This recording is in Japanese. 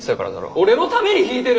俺のために弾いてる？